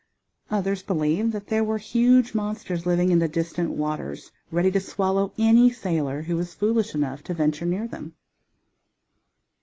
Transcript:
Others believed that there were huge monsters living in the distant waters ready to swallow any sailor who was foolish enough to venture near them.